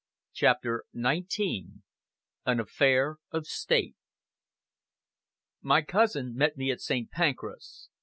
CHAPTER XIX AN AFFAIR OF STATE My cousin met me at St. Pancras.